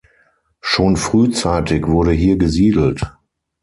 Schon frühzeitig wurde hier gesiedelt.